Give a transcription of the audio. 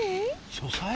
書斎？